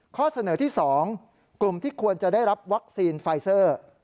ข้อเสนอที่๒กลุ่มที่ควรจะได้รับวัคซีนไฟเซอร์